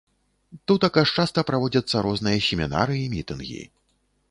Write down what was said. Тутака ж часта праводзяцца розныя семінары і мітынгі.